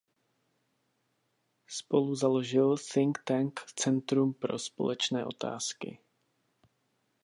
Spoluzaložil think tank Centrum pro společenské otázky.